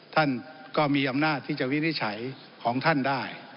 ท่านก็มีอำนาจที่จะวินิจฉัยของท่านได้